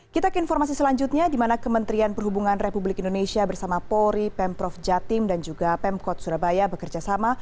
kita ke informasi selanjutnya di mana kementerian perhubungan republik indonesia bersama polri pemprov jatim dan juga pemkot surabaya bekerjasama